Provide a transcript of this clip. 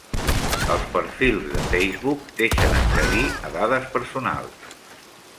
Els perfils de Facebook deixen accedir a dades personals.